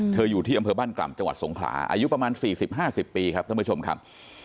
อยู่ที่อำเภอบ้านกล่ำจังหวัดสงขลาอายุประมาณ๔๐๕๐ปีครับท่านผู้ชมครับ